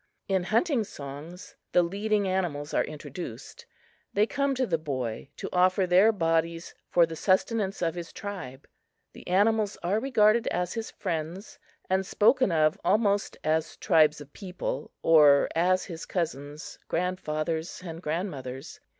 In hunting songs, the leading animals are introduced; they come to the boy to offer their bodies for the sustenance of his tribe. The animals are regarded as his friends, and spoken of almost as tribes of people, or as his cousins, grandfathers and grandmothers.